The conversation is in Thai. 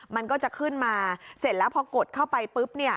มันก็จะขึ้นมาเสร็จแล้วพอกดเข้าไปปุ๊บ